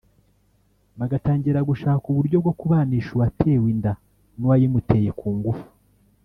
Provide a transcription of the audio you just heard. bagatangira gushaka uburyo bwo kubanisha uwatewe inda n’uwayimuteye ku ngufu